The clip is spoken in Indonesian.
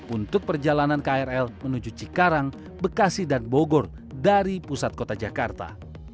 untuk perjalanan krl menuju cikarang bekasi dan bogor dari pusat kota jakarta